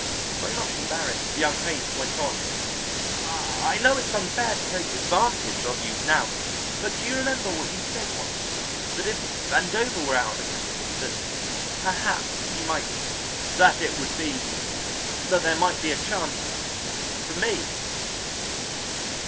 Very much embarrassed, young Haight went on: "I know it's unfair to take advantage of you now, but do you remember what you said once? That if Vandover were out of the question, that 'perhaps' you might that it would be that there might be a chance for me?"